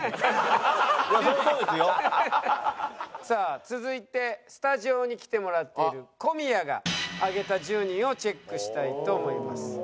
さあ続いてスタジオに来てもらっている小宮が挙げた１０人をチェックしたいと思います。